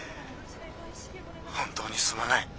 本当にすまない。